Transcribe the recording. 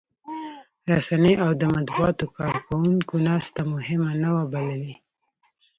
رسنيو او د مطبوعاتو کارکوونکو ناسته مهمه نه وه بللې.